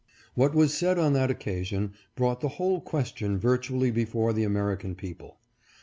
What was said on that occasion brought the whole question virtually before the American people.